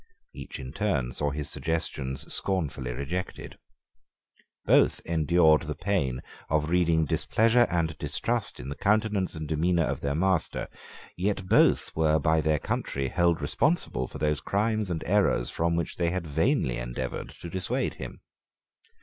Each in turn saw his suggestions scornfully rejected. Both endured the pain of reading displeasure and distrust in the countenance and demeanour of their master; yet both were by their country held responsible for those crimes and errors from which they had vainly endeavoured to dissuade him.